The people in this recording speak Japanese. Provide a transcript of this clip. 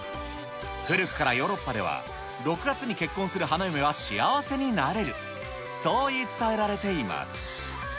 古くからヨーロッパでは、６月に結婚する花嫁は幸せになれる、そう言い伝えられています。